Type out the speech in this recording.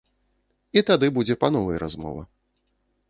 І тады будзе па новай размова.